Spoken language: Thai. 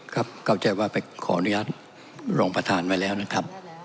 เข้าใจว่าไปขออนุญาตรองประธานไว้แล้วนะครับ